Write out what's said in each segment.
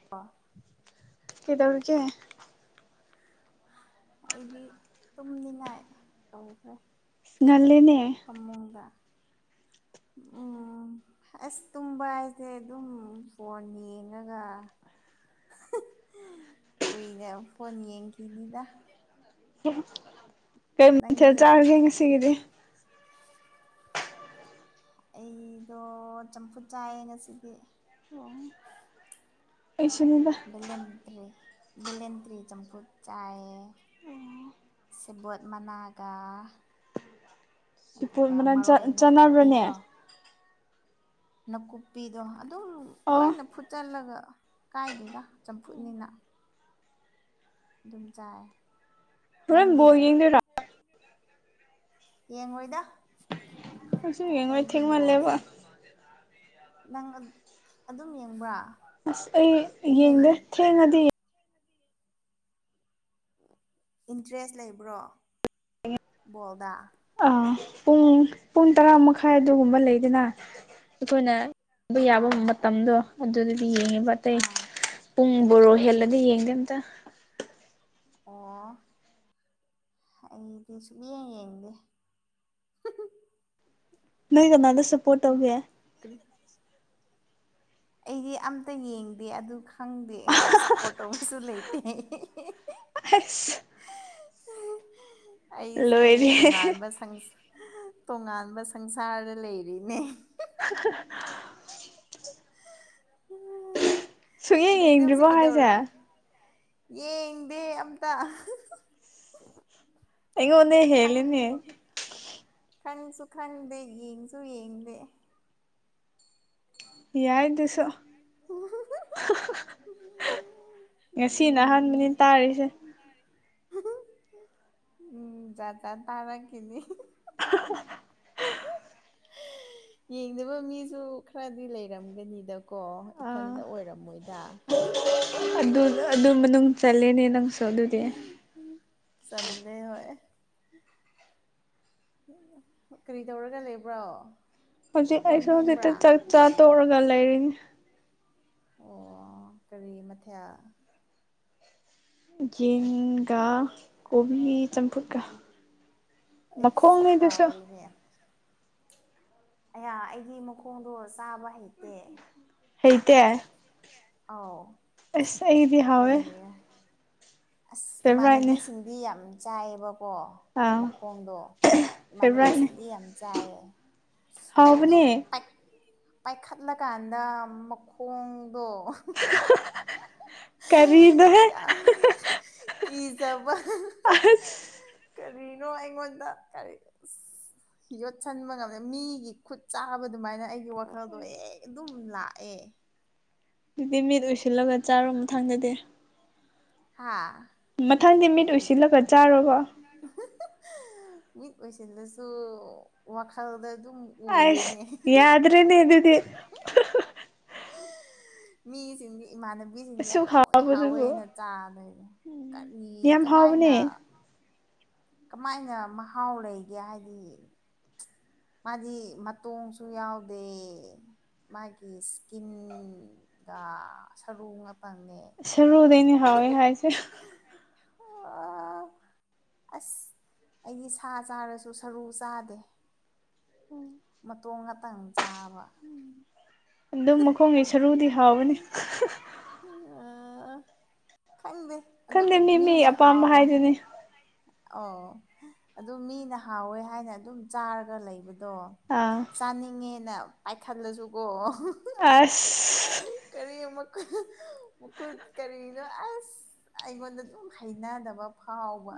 [unintelligible] ꯀꯗꯧꯔꯤꯒꯦ ꯑꯩꯗꯤ ꯇꯨꯝꯅꯤꯡꯉꯥꯏ ꯇꯧꯈ꯭ꯔꯦ ꯉꯜꯂꯤꯅꯦ ꯐꯃꯨꯡꯗ ꯎꯝ ꯑꯁ ꯇꯨꯝꯕ ꯍꯥꯏꯁꯦ ꯑꯗꯨꯝ ꯐꯣꯟ ꯌꯦꯡꯉꯒ ꯀꯨꯏꯅ ꯐꯣꯟ ꯌꯦꯡꯈꯤꯅꯤꯗ ꯀꯩ ꯃꯊꯦꯜ ꯅꯪꯗꯤ ꯆꯥꯔꯒꯦ ꯉꯁꯤꯒꯤꯗꯤ ꯑꯩꯗꯣ ꯆꯝꯐꯨꯠ ꯆꯥꯏꯌꯦ ꯉꯁꯤꯗꯤ ꯑꯣ ꯑꯩꯁꯨꯅꯕ ꯕꯤꯂꯦꯟꯇ꯭ꯔꯤ ꯕꯤꯂꯦꯟꯇ꯭ꯔꯤ ꯆꯝꯐꯨꯠ ꯆꯥꯏ ꯁꯦꯕꯣꯠ ꯃꯅꯥꯒ ꯑꯗꯨꯒ ꯃꯅ ꯃꯔꯣꯏ ꯆꯥꯟꯅꯕ꯭ꯔꯅꯦ ꯅꯥꯀꯨꯞꯄꯤꯗꯣ ꯅꯥꯀꯨꯞꯄꯤꯗꯣ ꯑꯗꯨ ꯑꯣ ꯂꯣꯏꯅ ꯐꯨꯠꯆꯜꯂꯒ ꯀꯥꯏꯗꯦꯗ ꯆꯝꯐꯨꯠꯅꯤꯅ ꯑꯗꯨꯝ ꯆꯥꯏ ꯍꯣꯔꯦꯟ ꯅꯪꯗꯦ ꯕꯣꯜ ꯌꯦꯡꯗꯣꯏꯔꯣ ꯌꯦꯡꯉꯣꯏꯗ ꯑꯩꯁꯨ ꯌꯦꯡꯉꯣꯏ ꯑꯩꯗꯤ ꯕꯣꯜ ꯊꯦꯡꯃꯜꯂꯦꯕ ꯁꯦ ꯅꯪ ꯑꯗꯨꯝ ꯌꯦꯡꯕ꯭ꯔꯥ ꯑꯁ ꯑꯩ ꯍꯦꯛ ꯍꯦꯛ ꯌꯦꯡꯗ ꯌꯦꯡ ꯊꯦꯡꯉꯗꯤ ꯏꯟꯇꯔꯦꯁ ꯂꯩꯕ꯭ꯔꯣ ꯕꯣꯜꯗ ꯑꯥ ꯄꯨꯡ ꯄꯨꯡ ꯇꯔꯥ ꯃꯈꯥꯏ ꯑꯗꯨꯒꯨꯝꯕ ꯂꯩꯗꯅ ꯑꯩꯈꯣꯏꯅ ꯌꯦꯡꯕ ꯌꯥꯕ ꯑꯥ ꯃꯇꯝꯗꯣ ꯑꯗꯨꯗꯗꯤ ꯌꯦꯡꯉꯦꯕ ꯑꯇꯩ ꯑꯥ ꯄꯨꯡ ꯕꯣꯔꯣ ꯍꯦꯜꯂꯗꯤ ꯌꯦꯡꯗꯦ ꯑꯝꯇ ꯑꯣ ꯑꯩꯗꯤ ꯁꯨꯛ ꯌꯦꯡ ꯌꯦꯡꯗꯦ ꯅꯣꯏ ꯀꯅꯥꯗ ꯁꯞꯄꯣꯔꯠ ꯇꯧꯒꯦ ꯀꯔꯤ ꯑꯩꯗꯤ ꯑꯝꯇ ꯌꯦꯡꯗꯦ ꯑꯗꯨ ꯈꯪꯗꯦ ꯑꯩ ꯁꯞꯄꯣꯔꯠ ꯇꯧꯕꯁꯨ ꯂꯩꯇꯦ [unintelligible] ꯍꯩꯁ ꯑꯩꯁꯦ ꯂꯣꯏꯔꯦ ꯇꯣꯉꯥꯟꯕ ꯁ ꯇꯣꯉꯥꯟꯕ ꯁꯪꯁꯥꯔꯗ ꯂꯩꯔꯤꯅꯦ [unintelligible] ꯁꯨꯡꯌꯦꯡ ꯅꯪꯗꯤ ꯍꯧꯖꯤꯛ ꯌꯦꯡꯗ꯭ꯔꯤꯕꯣ ꯍꯥꯏꯁꯦ ꯀꯩꯗꯧꯔꯦ ꯌꯦꯡꯗꯦ ꯑꯝꯇ ꯑꯩꯉꯣꯟꯗꯒꯤ ꯈꯪꯕ ꯈꯪꯁꯨ ꯈꯪꯗꯦ ꯌꯦꯡꯁꯨ ꯌꯦꯡꯗꯦ ꯌꯥꯏꯁꯨ ꯑꯣ ꯉꯁꯤꯅ ꯑꯍꯥꯟꯕꯅꯤ ꯇꯥꯔꯤꯁꯦ ꯎꯝ ꯗ ꯇꯥꯔꯥ ꯀꯅꯤ ꯌꯦꯡꯗꯕ ꯃꯤꯁꯨ ꯈꯔꯗꯤ ꯂꯩꯔꯝꯒꯅꯤꯗꯀꯣ ꯑꯥ ꯏꯊꯟꯇ ꯑꯣꯏꯔꯝꯃꯣꯏꯗ ꯑꯗꯨ ꯑꯗꯨ ꯃꯅꯨꯡ ꯆꯜꯂꯤꯜꯂꯦꯅꯦ ꯅꯪꯁꯨ ꯑꯗꯨꯗꯤ ꯆꯜꯂꯦ ꯍꯌꯦ ꯀꯔꯤ ꯇꯧꯔꯒ ꯂꯩꯕ꯭ꯔꯣ ꯍꯧꯖꯤ ꯀꯣꯟ ꯑꯩꯁꯨ ꯍꯧꯖꯤꯇ ꯐꯦꯡꯕ꯭ꯔꯥ ꯆ ꯆꯥ ꯇꯧꯔꯒ ꯂꯩꯔꯤꯅꯤ ꯑꯣ ꯀꯔꯤ ꯃꯊꯦꯜ ꯟꯒꯥ ꯀꯣꯕꯤ ꯇꯝꯐꯀ ꯃ ꯑꯩꯁ ꯈꯣꯡꯉꯗꯨꯁꯨ ꯍꯥꯎꯋꯤꯅꯦ ꯑꯌꯥ ꯑꯩꯒꯤ ꯃꯈꯣꯡꯗꯣ ꯆꯥꯕ ꯍꯩꯇꯦ ꯍꯩꯇ ꯑꯥꯎ ꯑꯦ ꯑꯦꯗꯤ ꯍꯥꯏꯋꯦ ꯑꯁ ꯏꯃꯥꯟꯅꯕꯤꯁꯤꯡꯗꯤ ꯌꯥꯝ ꯆꯥꯏꯌꯦꯕꯀꯣ ꯑꯥ ꯃꯈꯣꯡꯗꯣ ꯐꯦꯚꯣꯔꯥꯏꯠꯅꯦ ꯏꯃꯥꯟꯅꯕꯤꯁꯤꯡꯗꯤ ꯌꯥꯝ ꯆꯥꯏꯌꯦ ꯍꯥꯎꯕꯅꯦ ꯑꯗꯨꯝ ꯄꯥꯏ ꯄꯥꯏꯈꯠꯂꯀꯥꯟꯗ ꯃꯈꯣꯡꯗꯣ [inaudible] ꯌꯥ ꯀ ꯁ ꯑꯁ ꯀꯔꯤꯅꯣ ꯑꯩꯉꯣꯟꯗ ꯀꯔꯤ ꯌꯣꯠꯁꯟꯕ ꯉꯝꯃꯦ ꯃꯤꯒꯤ ꯈꯨꯠ ꯆꯥꯕ ꯑꯗꯨꯃꯥꯏꯅ ꯑꯩꯒꯤ ꯋꯥꯈꯜꯗꯣ ꯍ ꯑꯗꯨꯝ ꯂꯥꯛꯑꯦ ꯑꯗꯨꯗꯤ ꯃꯤꯠ ꯑꯣꯏꯁꯤꯜꯂꯒ ꯆꯥꯔꯣꯕ ꯊꯥꯡꯖꯗꯦ ꯍꯥꯥ ꯃꯊꯪꯗꯤ ꯃꯤꯠ ꯎꯁꯤꯜꯂꯒ ꯆꯥꯔꯕꯣ ꯃꯤꯠ ꯑꯣꯏꯁꯤꯜꯂꯁꯨ ꯋꯥꯈꯜꯗ ꯑꯗꯨꯝ ꯑꯁ ꯎꯋꯦꯅꯦ ꯌꯥꯗ꯭ꯔꯦꯅꯦ ꯏꯗꯤ ꯃꯤꯁꯤꯡꯗꯤ ꯏꯃꯥꯟꯅꯕ ꯆꯕꯤꯁꯤꯡꯗꯤ ꯑꯁꯨꯛ ꯍꯥꯎꯋꯦ ꯍꯥꯎꯕꯗꯨꯕꯨ ꯍꯥꯎꯋꯦꯅ ꯆꯥꯗꯣꯏꯅꯦ ꯀꯔꯤ ꯌꯥꯝ ꯀꯃꯥꯏꯅ ꯍꯥꯎꯕꯅꯦ ꯀꯃꯥꯏꯅ ꯃꯍꯥꯎ ꯂꯩꯒꯦ ꯍꯥꯏꯗꯤ ꯃꯥꯗꯤ ꯃꯇꯣꯡꯁꯨ ꯌꯥꯎꯗꯦ ꯃꯥꯒꯤ ꯁꯀꯤꯟꯒ ꯁꯔꯨ ꯉꯄꯪꯅꯦ ꯁꯔꯨꯗꯩꯅꯦ ꯍꯥꯎꯋꯦ ꯍꯥꯏꯁꯦ ꯑꯁ ꯑꯩꯗꯤ ꯁꯥ ꯆꯥꯔꯁꯨ ꯁꯔꯨ ꯆꯥꯗꯦ ꯎꯝ ꯃꯇꯣꯡ ꯉꯥꯛꯇꯪ ꯆꯥꯕ ꯑꯗꯨꯝ ꯃꯈꯣꯡꯒꯤ ꯁꯔꯨꯗꯤ ꯍꯥꯎꯕꯅꯤ ꯈꯪꯗꯦ ꯑꯗꯨꯝ ꯈꯪꯗꯦ ꯃꯤ ꯃꯤ ꯃꯤꯅ ꯑꯄꯥꯝꯕ ꯍꯥꯎꯋꯦ ꯍꯥꯏꯗꯨꯅꯤ ꯑꯣ ꯑꯗꯨ ꯃꯤꯅ ꯍꯥꯎꯋꯦ ꯍꯥꯏꯅ ꯑꯗꯨꯝ ꯆꯥꯔꯒ ꯂꯩꯕꯗꯣ ꯑꯥ ꯆꯥꯅꯤꯡꯉꯦꯅ ꯄꯥꯏꯈꯠꯂꯁꯨꯀꯣ ꯑꯁ ꯀꯔꯤ ꯃꯨ ꯃꯨꯨ ꯀꯔꯤꯅꯣ ꯑꯁ ꯑꯩꯉꯣꯟꯗ ꯑꯗꯨꯝ ꯍꯩꯅꯗꯕ ꯐꯥꯎꯕ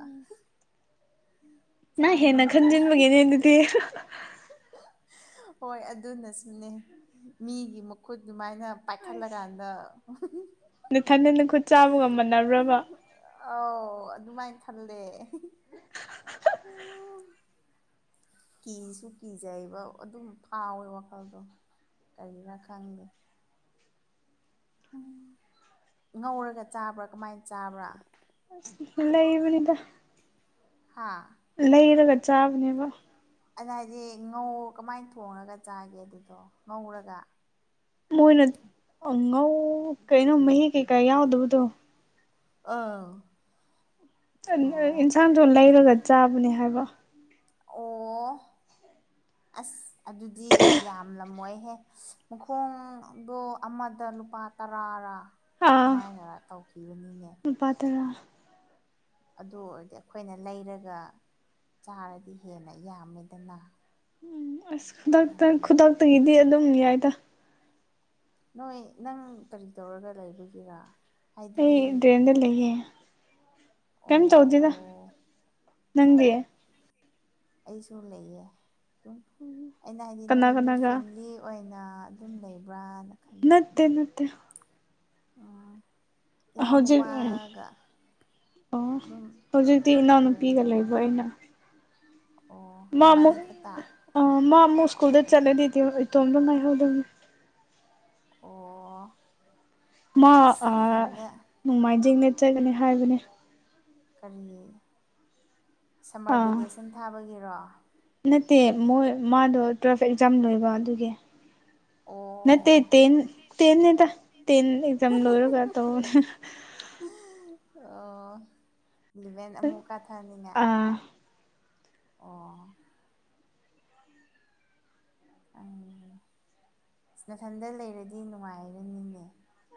ꯎꯝ ꯅ ꯍꯦꯟꯅ ꯈꯟꯖꯤꯟꯕꯒꯤꯦꯅꯦ ꯑꯗꯨꯗꯤ ꯍꯣꯏ ꯑꯗꯨꯅꯁꯨꯅꯦ ꯃꯤꯒꯤ ꯃꯈꯨꯠ ꯑꯗꯨꯃꯥꯏꯅ ꯄꯈꯔꯂꯒꯗ ꯅꯊꯟꯟꯅ ꯈꯨꯠ ꯆꯥꯕ ꯉꯝꯃꯟꯅ꯭ꯔꯕ ꯑꯥꯎ ꯑꯗꯨꯃꯥꯏꯅ ꯈꯜꯂꯦ ꯀꯤꯁꯨ ꯀꯤꯖꯩꯕ ꯑꯗꯨꯝ ꯐꯥꯎꯋꯦ ꯋꯥꯈꯜꯗꯣ ꯀꯔꯤꯅꯥ ꯈꯪꯗꯦ ꯎꯝ ꯉꯧꯔꯒ ꯆꯥꯕ꯭ꯔꯥ ꯀꯃꯥꯏꯅ ꯆꯥꯕ꯭ꯔꯥ ꯗ ꯏꯕꯅꯤꯗ ꯍꯥꯥ ꯂꯩꯔꯒ ꯆꯥꯕꯅꯦꯕ ꯑꯗꯨꯗ ꯍꯥꯏꯗꯤ ꯉꯧ ꯀꯃꯥꯏꯅ ꯊꯣꯡꯉꯒ ꯆꯥꯒꯦ ꯑꯗꯨꯗꯣ ꯉꯧꯔꯒ ꯃꯣꯏꯅ ꯑꯉꯧ ꯀꯩꯅꯣ ꯃꯍꯤ ꯀꯩꯀꯥ ꯌꯥꯎꯗꯕꯗꯣ ꯑꯥ ꯑꯣ ꯏꯟꯁꯥꯡꯗꯣ ꯂꯩꯔꯒ ꯆꯥꯕꯅꯦ ꯍꯥꯏꯕ ꯑꯣ ꯑꯁ ꯑꯗꯨꯗꯤ ꯌꯥꯝꯂꯝꯃꯣꯏꯍꯦ ꯃꯈꯣꯡꯗꯣ ꯑꯃꯗ ꯂꯨꯄꯥ ꯇꯔꯥꯔꯥ ꯀꯃꯥꯏꯅꯔ ꯇꯧꯈꯤꯕꯅꯤꯅꯦ ꯄꯇ꯭ꯔꯥ ꯑꯗꯨ ꯑꯣꯏꯔꯗꯤ ꯑꯩꯈꯣꯏꯅ ꯂꯩꯔꯒ ꯆꯥꯔꯗꯤ ꯍꯦꯟꯅ ꯌꯥꯝꯃꯦꯗꯅ ꯎꯝ ꯑꯁ ꯈꯨꯗꯛꯇ ꯎꯝ ꯈꯨꯗꯛꯇꯒꯤꯗꯤ ꯑꯗꯨꯝ ꯌꯥꯏꯗ ꯅꯣꯏ ꯅꯪ ꯀꯔꯤ ꯇꯧꯔꯒ ꯂꯩꯕꯒꯤꯔꯥ ꯍꯥꯏꯗꯤ ꯑꯩ ꯗꯦꯟꯗ ꯂꯩꯌꯦꯦ ꯀꯝ ꯆꯧꯗꯗ ꯑꯣ ꯅꯪꯗꯤꯦ ꯑꯣ ꯑꯩꯁꯨ ꯂꯩꯌꯦ ꯁꯨꯝ ꯑꯩꯅ ꯍꯥꯏꯗꯤ ꯀꯅꯥ ꯅꯣꯏꯗ ꯀꯅꯥꯒ ꯐꯦꯃꯤꯂꯤ ꯑꯣꯏꯅ ꯑꯗꯨꯝ ꯂꯩꯕ꯭ꯔꯥꯅ ꯈꯟ ꯅꯠꯇꯦ ꯅꯠꯇꯦ ꯏꯅꯥꯎ ꯍꯧꯖꯤꯛ ꯅꯨꯨꯄꯥꯒ ꯑꯣ ꯍꯧꯖꯤꯛꯇꯤ ꯏꯅꯥꯎꯅꯨꯄꯤꯒ ꯂꯩꯕ ꯑꯩꯅ ꯑꯣ ꯅꯕꯥꯅꯤ ꯈꯇꯥ ꯑ ꯃꯥꯃꯨꯛ ꯁ꯭ꯀꯨꯜꯗ ꯆꯠꯂꯗꯤꯗꯤ ꯏꯇꯣꯝꯇ ꯉꯥꯏꯍꯧꯗꯧꯅꯤ ꯑꯣ ꯃꯥ ꯇꯨꯏꯁꯟꯗ ꯅꯣꯡꯃꯥꯏꯖꯤꯡ ꯅꯦꯠꯆꯒꯅꯤ ꯍꯥꯏꯕꯅꯦ ꯀꯔꯤ ꯁꯝꯃꯔ ꯑꯥ ꯚꯦꯀꯦꯁꯟ ꯊꯥꯕꯒꯤꯔꯣ ꯅꯠꯇꯦ ꯃꯣꯏ ꯃꯥꯗꯣ ꯇ꯭ꯋꯦꯜꯐ ꯑꯦꯛꯖꯥꯝ ꯂꯣꯏꯕ ꯑꯗꯨꯒꯤ ꯅ ꯇ ꯑꯣ ꯇ ꯅ ꯇ ꯑꯦꯛꯖꯥꯝ ꯂꯔꯣꯒ ꯇ ꯏꯂꯤꯚꯦꯟ ꯑꯃꯨꯛ ꯀꯥꯊꯍꯟꯅꯤꯡꯉꯥꯏ ꯑꯥ ꯑꯣ ꯎꯝ ꯑ ꯅꯥꯀꯟꯗ ꯂꯩꯔꯗꯤ ꯅꯨꯡꯉꯥꯏꯔꯅꯤꯅꯦ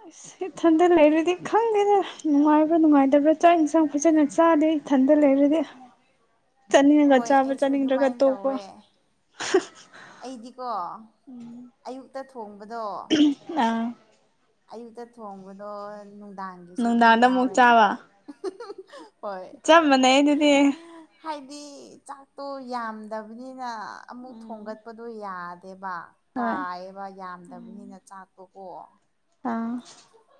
ꯑꯁ ꯏꯊꯟꯗ ꯂꯩꯔꯨꯗꯤ ꯈꯪꯗꯦꯗ ꯅꯨꯡꯉꯥꯏꯕ꯭ꯔꯥ ꯅꯨꯡꯉꯥꯏꯇꯕ꯭ꯔꯥ ꯆꯥꯛ ꯏꯟꯁꯥꯡ ꯐꯖꯟꯅꯁꯤꯦ ꯆꯥꯗꯩ ꯈꯟꯗ ꯂꯩꯔ ꯍꯣꯏ ꯑꯩꯁꯨ ꯆꯥꯅꯤꯡꯗ꯭ꯔꯒ ꯑꯗꯨꯃꯥꯏꯅ ꯇꯣꯛꯄ ꯇꯧꯋꯦ ꯑꯩꯗꯤꯀꯣ ꯑꯌꯨꯛꯇ ꯊꯣꯡꯕꯗꯣ ꯑꯥ ꯑꯌꯨꯛꯇ ꯊꯣꯡꯕꯗꯣ ꯅꯨꯡꯗꯥꯡꯒꯤꯁꯨ ꯑꯗꯨꯝ ꯅꯨꯡꯗꯥꯡꯗ ꯑꯃꯨꯛ ꯌꯥꯎꯔꯦ ꯆꯥꯕ ꯍꯣꯏ ꯆꯞ ꯃꯥꯟꯅꯩ ꯑꯗꯨꯗꯤ ꯍꯥꯏꯗꯤ ꯆꯥꯛꯇꯣ ꯌꯥꯝꯗꯕꯅꯤꯅ ꯑꯃꯨꯛ ꯎꯝ ꯊꯣꯡꯒꯠꯄꯗꯣ ꯌꯥꯗꯦꯕ ꯍꯣꯏ ꯀꯥꯏꯑꯕ ꯌꯥꯝꯗꯕꯅꯤꯅ ꯆꯥꯛꯇꯣꯀꯣ ꯑꯥ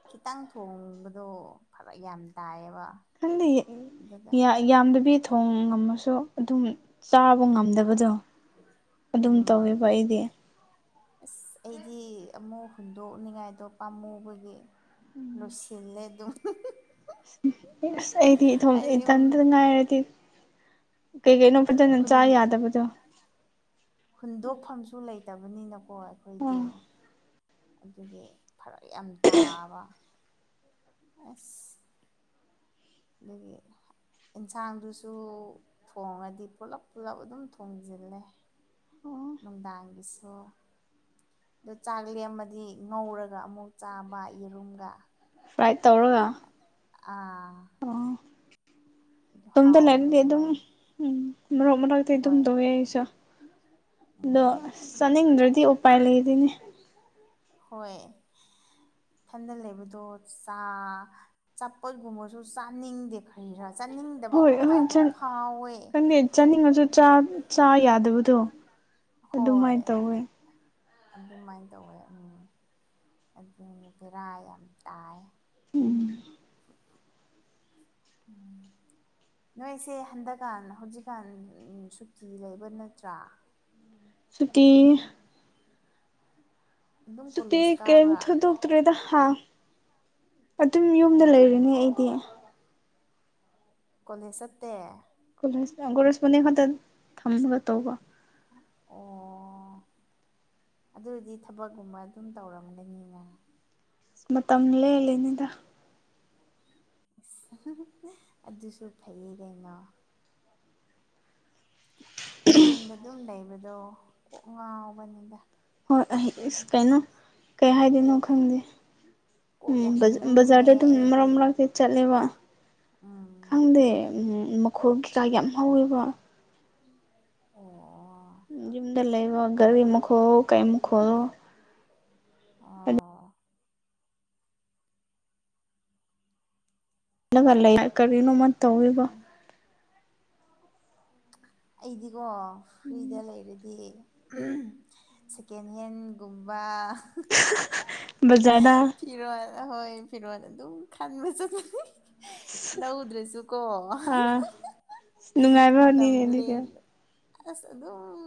ꯈꯤꯇꯪ ꯊꯣꯡꯕꯗꯣ ꯐꯔ ꯌꯥꯝ ꯇꯥꯏꯌꯦꯕ ꯈꯟꯗꯤ ꯑꯗꯨꯒ ꯌꯥꯝꯗꯕꯤ ꯊꯣꯡ ꯉꯝꯃꯁꯨ ꯑꯗꯨꯝ ꯆꯥꯕ ꯉꯝꯗꯕꯗꯣ ꯑꯗꯨꯝ ꯎꯝ ꯇꯧꯋꯦꯕ ꯑꯩꯗꯤ ꯑꯁ ꯑꯩꯗꯤ ꯑꯃꯨꯛ ꯍꯨꯟꯗꯣꯛꯅꯤꯉꯥꯏꯗꯣ ꯄꯥꯝꯃꯨꯕꯒꯤ ꯂꯣꯏꯁꯤꯜ ꯂꯩ ꯑꯗꯨ ꯑꯁ ꯑꯩꯗꯤ ꯏꯊꯝ ꯍꯥꯏꯗꯤ ꯏꯇꯟꯇ ꯉꯥꯏꯔꯗꯤ ꯀꯩꯀꯩꯅꯣ ꯐꯖ ꯅꯪ ꯍꯨꯟ ꯆꯥ ꯌꯥꯗꯕꯗꯣ ꯍꯨꯟꯗꯣꯛꯐꯝꯁꯨ ꯂꯩꯇꯕꯅꯤꯅꯀꯣ ꯑꯥ ꯑꯩꯈꯣꯏꯗꯤ ꯑꯗꯨꯗꯤ ꯐꯔꯛ ꯌꯥꯝ ꯇꯥꯕ ꯑꯁ ꯑꯗꯒꯤ ꯏꯟꯁꯥꯡꯗꯨꯁꯨ ꯊꯣꯡꯉꯗꯤ ꯄꯨꯂꯞ ꯄꯨꯂꯞ ꯑꯗꯨꯝ ꯊꯣꯡꯖꯤꯜꯂꯦ ꯑꯣ ꯅꯨꯡꯗꯥꯡꯒꯤꯁꯨ ꯑꯗꯨꯗꯣ ꯆꯥꯛ ꯂꯦꯝꯃꯗꯤ ꯉꯧꯔꯒ ꯑꯃꯨꯛ ꯆꯥꯕ ꯌꯦꯔꯨꯝꯒ ꯐ꯭ꯔꯥꯏꯠ ꯇꯧꯔꯒ ꯑꯥ ꯑꯣ ꯑꯗꯨ ꯇꯝꯗ ꯍꯥꯎꯕꯅꯦ ꯂꯩꯔꯗꯤ ꯑꯗꯨꯝ ꯑꯗꯨꯃꯥꯏꯅ ꯎꯝ ꯃꯔꯣꯛ ꯃꯔꯇꯤ ꯍꯣꯏ ꯑꯗꯨꯝꯗꯣꯛꯑꯦ ꯑꯩꯁꯨ ꯑꯗꯣ ꯎꯝ ꯆꯥꯅꯤꯡꯗ꯭ꯔꯗꯤ ꯎꯄꯥꯏ ꯂꯩꯗꯣꯏꯅꯦ ꯍꯣꯏ ꯏꯊꯟꯗ ꯂꯩꯕꯗꯣ ꯆꯥ ꯆꯄꯠꯒꯨꯝꯕꯁꯨ ꯆꯥꯅꯤꯡꯗꯦ ꯈꯔꯤ ꯈꯔ ꯆꯥꯅꯤꯡꯗꯕ ꯉ ꯈꯣꯏ ꯀ ꯆꯥꯅꯤꯡꯉꯁꯨ ꯆ ꯑꯗꯨꯗꯣ ꯍꯣꯏ ꯑꯗꯨꯃꯥꯏꯅ ꯇꯧꯋꯦ ꯑꯗꯨꯃꯥꯏꯅ ꯇꯧꯋꯦ ꯑꯗꯨ ꯄꯦꯔꯥ ꯌꯥꯝ ꯇꯥꯏ ꯎꯝ ꯎꯝ ꯅꯣꯏꯁꯦ ꯍꯟꯗꯛꯀꯥꯟ ꯍꯧꯖꯤꯛꯀꯥꯟ ꯁꯨꯇꯤ ꯂꯩꯕ ꯅꯠꯇ꯭ꯔꯥ ꯁꯨꯇꯤ ꯑꯗꯨꯝ ꯇ ꯀꯣꯂꯦꯖ ꯀꯦꯝ ꯀꯥꯕ꯭ꯔꯥ ꯊꯗ ꯇꯨꯔꯦꯗ ꯍꯥ ꯑꯗꯨꯝ ꯌꯨꯝꯗ ꯑꯣ ꯂꯩꯔꯅꯦ ꯑꯩꯗꯤ ꯀꯣꯂꯦꯖ ꯆꯠꯇꯦ ꯂ ꯒꯨꯔꯦꯖꯄꯅꯤ ꯈꯛꯇ ꯊꯝꯒ ꯇꯧꯕ ꯑꯣ [unintelligible] ꯑꯗꯨꯗꯤ ꯊꯕꯛꯀꯨꯝꯕ ꯑꯗꯨꯝ ꯇꯧꯔꯝꯒꯅꯤꯅ ꯃꯇꯝ ꯂꯦꯜꯂꯤꯅꯤꯗ ꯑꯗꯨꯁꯨ ꯐꯩꯌꯦ ꯀꯩꯅꯣ ꯌꯨꯝꯗ ꯑꯗꯨꯝ ꯂꯩꯕꯗꯣ ꯀꯣꯛ ꯉꯥꯎꯕꯅꯤꯗ ꯍꯣꯏ ꯑꯩ ꯑꯁ ꯀꯩꯅꯣ ꯀꯩ ꯍꯥꯏꯗꯣꯏꯅꯣ ꯀꯣꯛ ꯌꯥꯝ ꯈꯪꯗꯦ ꯀꯣꯛ ꯌꯥꯝ ꯎꯝ ꯂꯨꯝꯃꯦ ꯖꯔꯦ ꯑꯗꯨꯝ ꯃ ꯑꯩꯗꯤ ꯃꯔꯛ ꯀ ꯆꯠꯂꯦꯕ ꯎꯝ ꯈꯪꯗꯦ ꯎ ꯃꯈꯣꯜ ꯀꯩꯀꯥ ꯌꯥꯝ ꯍꯧꯋꯦꯕ ꯑꯣ ꯌꯨꯝꯗ ꯂꯩꯕ ꯒꯥꯔꯤ ꯃꯈꯨ ꯈꯣꯂꯣ ꯀꯩꯃꯨꯛ ꯈꯣꯜꯂꯎ ꯑꯣ ꯅꯪꯒ ꯂꯩ ꯀꯔꯤꯅꯣ ꯃꯥ ꯇꯧꯋꯦꯕ ꯑꯩꯗꯤꯀꯣ ꯐ꯭ꯔꯤꯗ ꯂꯩꯔꯗꯤ ꯁꯦꯀꯦꯟ ꯍꯦꯟꯒꯨꯝꯕ ꯕꯖꯥꯔꯗ ꯐꯤꯔꯣꯜ ꯑꯩꯈꯣꯏ ꯐꯤꯔꯣꯜ ꯑꯗꯨꯝ ꯈꯟꯕ ꯆꯠ [unintelligible] ꯂꯧꯗ꯭ꯔꯁꯨꯀꯣ ꯑꯥ ꯃꯇꯝ ꯅꯨꯡꯉꯥꯏꯕꯅꯤꯅꯦ ꯑꯗꯨꯗꯤ ꯂꯦꯟꯕ ꯑꯁ ꯑꯗꯨꯝ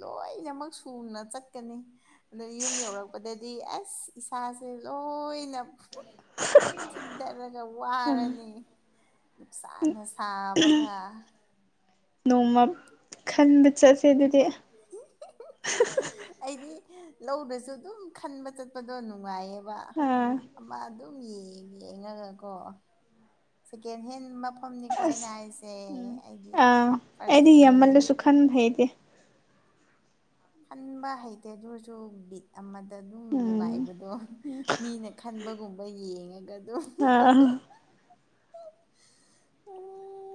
ꯂꯣꯏꯅꯃꯛ ꯁꯨꯅ ꯆꯠꯀꯅꯤ ꯑꯗꯣ ꯌꯨꯝ ꯌꯧꯔꯛꯄꯗ ꯗꯤ ꯑꯁ ꯏꯁꯥꯁꯦ ꯂꯣꯏꯅ ꯊꯤꯟꯗꯔꯒ ꯑꯥ ꯋꯥꯔꯅꯤ ꯅꯨꯡꯁꯥꯅ ꯁꯥꯕꯒ ꯅꯣꯡꯃ ꯈꯟꯕ ꯆꯠꯁꯦ ꯑꯗꯨꯗꯤ ꯑꯩꯗꯤ ꯂꯧꯗꯁꯨ ꯑꯗꯨꯝ ꯈꯟꯕ ꯆꯠꯄꯗꯣ ꯅꯨꯡꯉꯥꯏꯌꯦ ꯑꯥ [unintelligible] ꯑꯃ ꯑꯗꯨꯝ ꯌꯦꯡ ꯌꯦꯡꯉꯒꯀꯣ ꯁꯦꯀꯦꯟ ꯍꯦꯟ ꯃ ꯃꯐꯝꯅꯤꯀꯣ ꯑꯩꯅ ꯑꯁ ꯍꯥꯏꯁꯦ ꯎꯝ ꯑꯩꯗꯤ ꯑꯥ ꯑꯩꯗꯤ ꯄꯥꯔꯁꯦꯟ ꯌꯥꯝꯃꯜꯂꯁꯨ ꯈꯟ ꯍꯩꯇꯦ ꯈꯟꯕ ꯍꯩꯇꯦ ꯑꯗꯨꯏꯁꯨ ꯕꯤꯠ ꯑꯃ ꯗ ꯑꯗꯨꯝ ꯎꯝ ꯅꯨꯡꯉꯥꯏꯕꯗꯣ ꯃꯤꯅ ꯈꯟꯕꯒꯨꯝꯕ ꯌꯦꯡꯉꯒ ꯑꯗꯨꯝ [unintelligible] [unintelligible]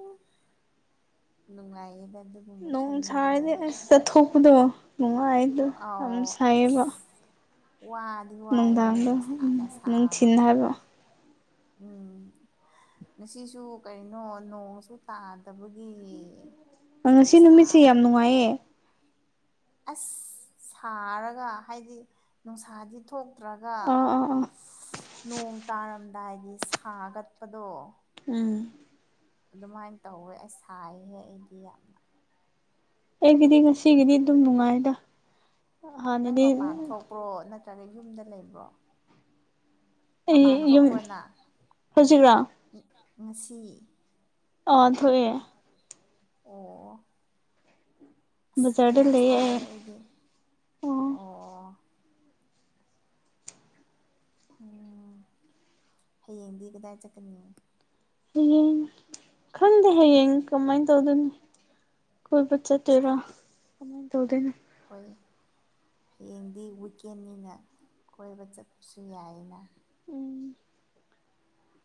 ꯅꯨꯡꯉꯥꯏꯌꯦꯅ ꯑꯗꯨꯒꯨꯝꯕ ꯅꯣꯡ ꯈꯟꯕꯗꯣ ꯁꯥꯔꯗꯤ ꯑꯩꯗꯤ ꯑꯁ ꯆꯠꯊꯣꯛꯄꯗꯣ ꯅꯨꯡꯉꯥꯏ ꯑꯥꯎ ꯑꯁ ꯋꯥꯟ ꯅꯨꯡꯗꯥꯡꯗꯣ ꯎꯝ ꯅꯨꯡꯊꯤꯟ ꯍꯥꯏꯕꯔꯣ ꯎꯝ ꯉꯁꯤꯁꯨ ꯀꯔꯤꯅꯣ ꯅꯣꯡꯁꯨ ꯇꯥꯗꯕꯒꯤ ꯉꯁꯤ ꯅꯨꯡꯁꯥ ꯅꯨꯃꯤꯠꯁꯦ ꯌꯥꯝ ꯅꯨꯡꯉꯥꯏꯌꯦ ꯑꯁ ꯁꯥꯔꯒ ꯍꯥꯏꯗꯤ ꯅꯨꯡꯁꯥꯗꯤ ꯊꯣꯛ ꯇ꯭ꯔꯒ ꯑꯥ ꯑꯥ ꯑꯥ ꯅꯣꯡ ꯇꯥꯔꯝꯗꯥꯏꯒꯤ ꯁꯥꯒꯠꯄꯗꯣ ꯎꯝ ꯑꯗꯨꯃꯥꯏꯟ ꯇꯧꯋꯦ ꯑꯩ ꯁꯥꯏꯍꯦ ꯑꯩꯗꯤ ꯌꯥꯝꯅ ꯑꯩꯒꯤꯗꯤ ꯉꯁꯤꯒꯤꯗꯤ ꯑꯗꯨꯝ ꯅꯨꯡꯉꯥꯏꯗ ꯅꯪ ꯍꯥꯟꯅꯗꯤ ꯃꯄꯥꯟ ꯊꯣꯛꯄ꯭ꯔꯣ ꯅꯠꯇ꯭ꯔꯒ ꯌꯨꯝꯗ ꯂꯩꯕ꯭ꯔꯣ ꯑꯩ ꯃꯄꯥꯟ ꯌꯨꯝ ꯊꯣꯛꯄꯅ ꯍꯧꯖꯤꯛꯔꯥ ꯉꯁꯤ ꯑꯥ ꯊꯣꯛꯑꯦ ꯑꯣ ꯑꯁ ꯕꯖꯥꯔꯗ ꯌꯥꯝ ꯂꯩꯌꯦ ꯁꯥꯏ ꯑꯩ ꯑꯩꯗꯤ ꯑꯣ ꯑꯣ ꯎꯝ ꯍꯌꯦꯡꯗꯤ ꯀꯗꯥꯏ ꯆꯠꯀꯅꯤ ꯍꯌꯦꯡ ꯈꯪꯗꯦ ꯍꯌꯦꯡ ꯀꯃꯥꯏꯟ ꯇꯧꯗꯣꯏꯅꯤ ꯀꯣꯏꯕ ꯆꯠꯇꯣꯏꯔꯥ ꯀꯃꯥꯏ ꯇꯧꯗꯣꯏꯅꯣ ꯀꯣꯏ ꯍꯌꯦꯡꯗꯤ ꯋꯤꯀꯦꯟꯅꯤꯅ ꯀꯣꯏꯕ ꯆꯠꯄꯁꯨ ꯌꯥꯏꯌꯦꯅ ꯎꯝ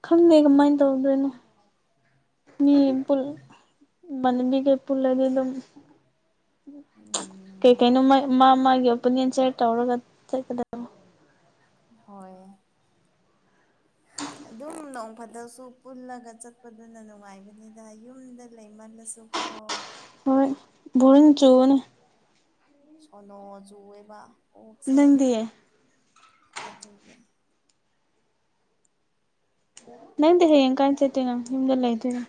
ꯈꯪꯗꯦ ꯀꯃꯥꯏꯟ ꯇꯧꯗꯣꯏꯅꯣ ꯃꯤ ꯄꯨꯜ ꯏꯃꯥꯟꯅꯕꯤ ꯀꯩ ꯄꯨꯜꯂꯗꯤ ꯑꯗꯨꯝ ꯀꯩ ꯎꯝ ꯀꯩꯅꯣ ꯃꯥ ꯃꯥ ꯃꯥꯒꯤ ꯑꯣꯄꯤꯅꯤꯌꯟ ꯁꯤꯌꯥꯔ ꯇꯧꯔꯒ ꯆꯠꯀꯗ ꯍꯣꯏ [unintelligible] ꯑꯗꯨꯝ ꯅꯣꯡ ꯐꯗꯣꯛꯁꯨ ꯄꯨꯜꯂꯒ ꯆꯠꯄꯗꯨꯅ ꯅꯨꯡꯉꯥꯏꯕꯅꯤꯗ ꯌꯨꯝꯗ ꯂꯩꯃꯜꯂꯁꯨꯀꯣ ꯍꯣꯏ ꯕꯣꯔꯤꯡ ꯆꯨꯕꯅꯦ ꯁꯣꯅꯣ ꯆꯨꯑꯦꯕ ꯀꯣꯛꯁꯦ ꯅꯪꯗꯤ ꯑꯗꯨꯒꯤ ꯅꯪꯗꯦ ꯍꯦꯡ ꯀꯥꯁꯦꯦ ꯅ ꯅꯤꯡꯝꯗꯂꯥꯏꯇꯣꯏꯅ